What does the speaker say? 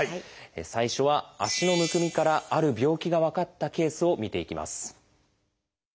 最初は足のむくみからある病気が分かったケースを見ていきます。